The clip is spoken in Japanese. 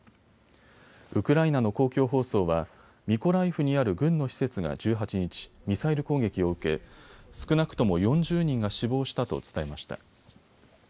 ウクライナの公共放送はミコライフにある軍の施設が１８日、ミサイル攻撃を受け少なくとも４０人が死亡したと伝えました。